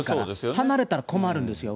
離れたら困るんですよ。